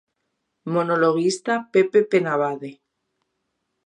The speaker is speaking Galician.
Monologuista Pepe Penabade.